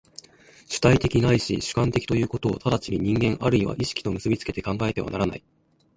主体的ないし主観的ということを直ちに人間或いは意識と結び付けて考えてはならない。